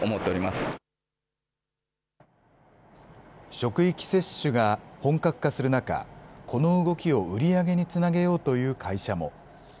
職域接種が本格化する中、この動きを売り上げにつなげようという会社も。